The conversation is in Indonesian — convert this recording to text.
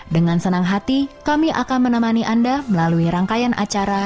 dengan senang hati kami akan menemani anda melalui rangkaian acara